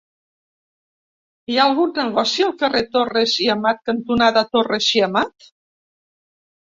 Hi ha algun negoci al carrer Torres i Amat cantonada Torres i Amat?